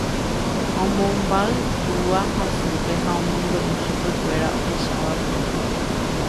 Omombáy túva ha sýpe ha omombe'u chupekuéra ohechava'ekue.